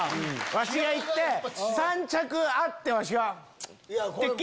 わしが行って３着あってスッ！